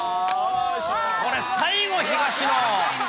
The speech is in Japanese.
これ、最後、東野。